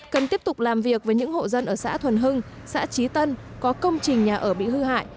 cần tiếp tục làm việc với những hộ dân ở xã thuần hưng xã trí tân có công trình nhà ở bị hư hại